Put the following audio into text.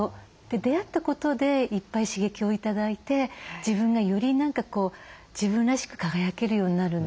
出会ったことでいっぱい刺激を頂いて自分がより何か自分らしく輝けるようになるみたいな。